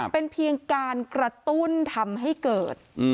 เป็นเพียงการกระตุ้นทำให้เกิด